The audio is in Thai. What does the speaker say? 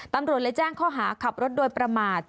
ตำรวจเลยแจ้งข้อหาขับรถโดยประมาท